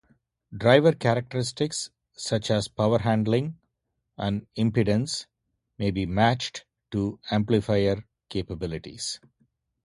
Driver characteristics such as power handling and impedance may be matched to amplifier capabilities.